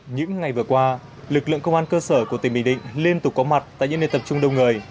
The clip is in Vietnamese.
những ngày vừa qua lực lượng công an cơ sở của tỉnh bình định liên tục có mặt tại những nơi tập trung đông người